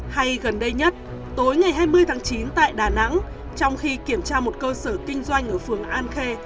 hay gần đây nhất tối ngày hai mươi tháng chín tại đà nẵng trong khi kiểm tra một cơ sở kinh doanh ở phường an khê